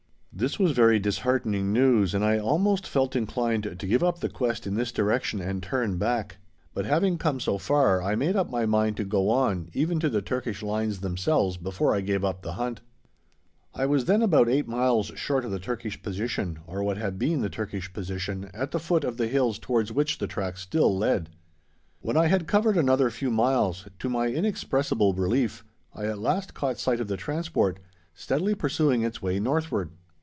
This was very disheartening news, and I almost felt inclined to give up the quest in this direction and turn back; but having come so far, I made up my mind to go on, even to the Turkish lines themselves, before I gave up the hunt. I was then about eight miles short of the Turkish position, or what had been the Turkish position at the foot of the hills towards which the tracks still led. When I had covered another few miles, to my inexpressible relief, I at last caught sight of the Transport, steadily pursuing its way northward!